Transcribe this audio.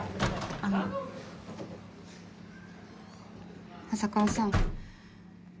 あの浅川さん。